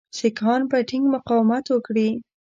سیکهان به ټینګ مقاومت وکړي.